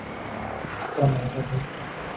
còn lại chờ tôi